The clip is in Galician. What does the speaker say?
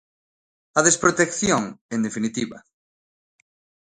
A desprotección, en definitiva.